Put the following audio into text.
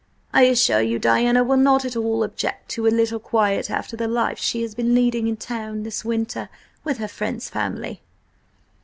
I assure you Diana will not at all object to a little quiet after the life she has been leading in town this winter with her friend's family."